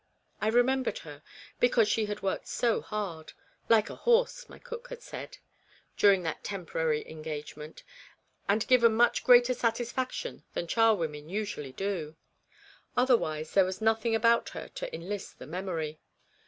I remembered her, because she had worked so hard (" like a horse," my cook had said) during that temporary engagement, and given much greater satisfaction than charwomen usually do. Otherwise there was nothing about her to enlist the memory.